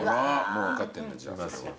もう分かってんだじゃあ。